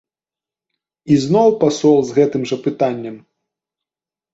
Ізноў пасол з гэтым жа пытаннем.